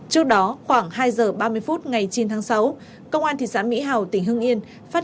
trước đó khoảng hai h ba mươi phút ngày chín tháng sáu công an thị xã mỹ hào tỉnh hưng yên phát hiện năm bị can trên bỏ trốn khỏi nơi giam giữ